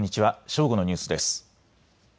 正午のニュースです。